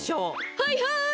はいはい！